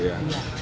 taknya turun ya